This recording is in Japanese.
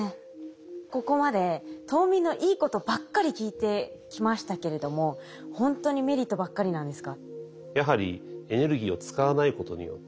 ここまで冬眠のいいことばっかり聞いてきましたけれどもほんとにメリットばっかりなんですか？